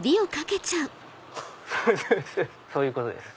そういうことです。